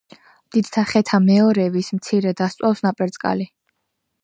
დიდთა ხეთა მოერევის, მცირე დასწვავს ნაპერწკალი